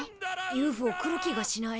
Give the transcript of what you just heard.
ＵＦＯ来る気がしない。